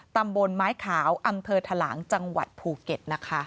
ตำบลไม้ขาวอำเภอถลางจังหวัดภูเก็ต